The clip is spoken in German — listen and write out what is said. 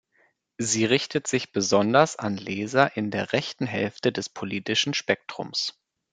Sie richtet sich besonders an Leser in der rechten Hälfte des politischen Spektrums.